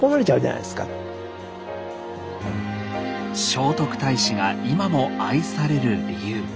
聖徳太子が今も愛される理由。